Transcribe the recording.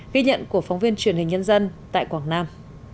ghi nhận của phóng viên truyền hình nhân dân tại quảng nam